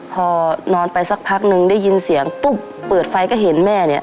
พอนอนไปสักพักนึงได้ยินเสียงปุ๊บเปิดไฟก็เห็นแม่เนี่ย